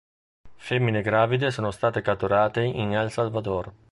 Femmine gravide sono state catturate in El Salvador.